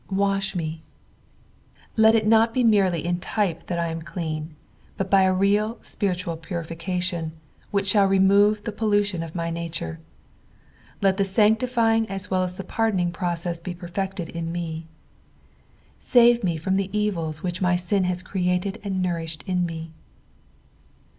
"Wn«h me." Let it not merely be in type that I am clean, but by n real spiritual purification, which shall remove the pol lution of my nature. Let the sanctifying as well as the pardoning process be perfected in me. Save me from the evils which my sin has created ana nouriahed in me.